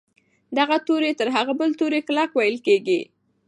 دغه توری تر هغه بل توري کلک ویل کیږي.